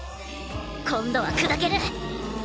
今度は砕ける！